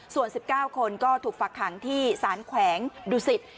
ส่วน๑๙คนก็ถูกฝักขังที่สารแขวงดุสิต